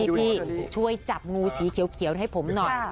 พี่ช่วยจับงูสีเขียวให้ผมหน่อย